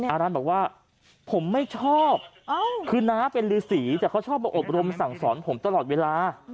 อารันทร์บอกว่าผมไม่ชอบคือน้าเป็นฤษีแต่เขาชอบมาอบรมสั่งสอนผมตลอดเวลา